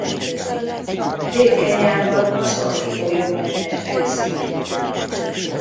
Dél-Kenyában az Athi-folyó mellett fekszik.